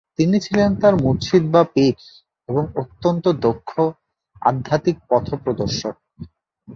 তিনি ছিলেন তার মুর্শিদ বা পীর এবং অত্যন্ত দক্ষ আধ্যাত্মিক পথপ্রদর্শক।